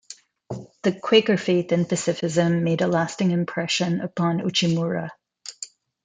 The Quaker faith and pacifism made a lasting impression upon Uchimura.